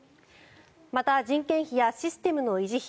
また、人件費やシステムの維持費